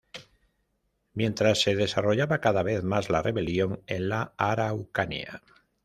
Mientras se desarrollaba cada vez más la rebelión en la Araucanía.